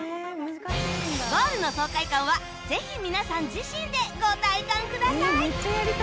ゴールの爽快感はぜひ皆さん自身でご体感ください！